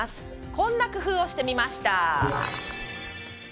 こんな工夫をしてみました。